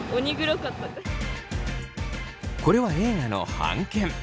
これは映画の半券。